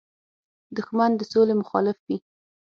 دښمن د سولې مخالف وي